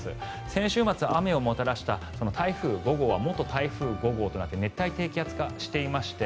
先週末、雨をもたらした台風５号は元台風５号となって熱帯低気圧化していまして